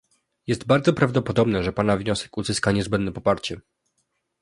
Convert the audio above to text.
Jest bardzo prawdopodobne, że Pana wniosek uzyska niezbędne poparcie